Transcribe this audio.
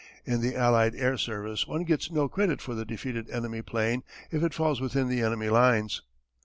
In the allied air service one gets no credit for the defeated enemy plane if it falls within the enemy lines.